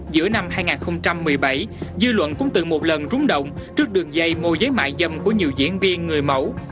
giữa năm hai nghìn một mươi bảy dư luận cũng từng một lần rúng động trước đường dây môi giới mại dâm của nhiều diễn viên người mẫu